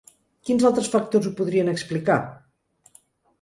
Quins altres factors ho podrien explicar?